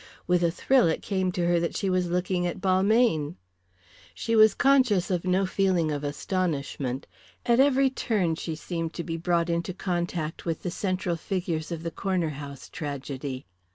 With a thrill it came to her that she was looking at Balmayne. She was conscious of no feeling of astonishment. At every turn she seemed to be brought into contact with the central figures of the Corner House tragedy.